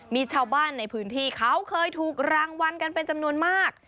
มีชาวบ้านในพื้นที่เขาเคยถูกรางวัลกันเป็นจำนวนมาก